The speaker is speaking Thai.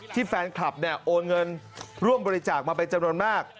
แฟนคลับเนี่ยโอนเงินร่วมบริจาคมาเป็นจำนวนมาก